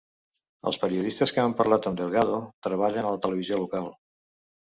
Els periodistes que han parlat amb Delgado treballen a la televisió local.